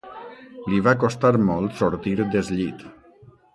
Li va costar molt sortir des llit